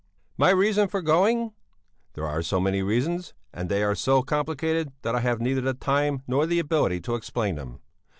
"'My reason for going? There are so many reasons and they are so complicated that I have neither the time nor the ability to explain them.